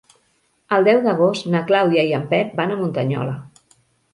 El deu d'agost na Clàudia i en Pep van a Muntanyola.